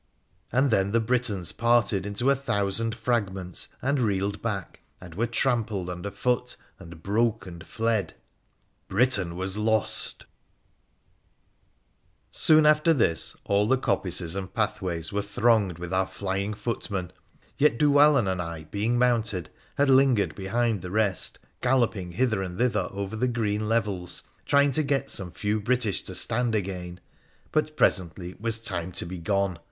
And then the Britons parted into a thousand fragments and reeled back, and were trampled under foot, and broke and fled ! Britain was lost ! Soon after this all the coppices and pathways were thronged with our flying footmen. Yet Dhuwallon and 1, being mounted, had lingered behind the rest, galloping hither FITRA THE PHCENICIAN' 17 and thither over the green levels, trying to get some few British to stand again ; but presently it was time to be gone.